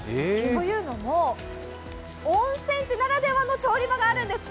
というのも、温泉地ならではの調理場があるんです。